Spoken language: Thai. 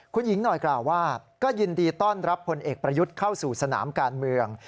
คุณหญิงหน่อยกล่าวว่าก็ยินดีต้อนรับพลเอกประยุทธ์เข้าสู่สนามการเมือง